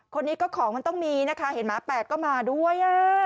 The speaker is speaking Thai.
คนนี้ก็ของมันต้องมีนะคะเห็นหมาแปดก็มาด้วย